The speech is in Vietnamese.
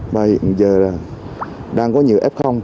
mà hiện giờ là đang có nhiều f